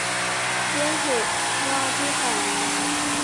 ด้วยเหตุว่าที่ผ่านมา